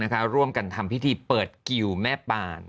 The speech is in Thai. ทำพิธีเปิดกิวแม่ป่าน